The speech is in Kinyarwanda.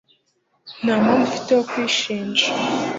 nta mpamvu ufite yo kuyishinja